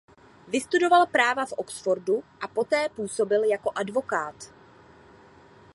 Vystudoval práva v Oxfordu a poté působil jako advokát.